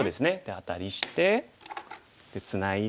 アタリしてツナいで。